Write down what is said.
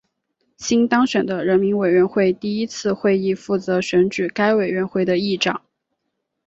新当选的人民委员会第一次会议负责选举该委员会的议长。